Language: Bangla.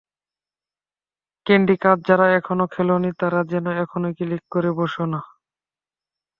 ক্রান্ডি ক্রাশ যারা এখনো খেলোনি, তারা যেন এখনই ক্লিক করে বসো না।